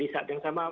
di saat yang sama